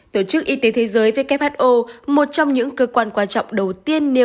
tổ chức y tế thế giới who một trong những cơ quan quan trọng đầu tiên nêu